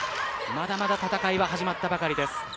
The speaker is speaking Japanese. まだまだ戦いは始まったばかりです。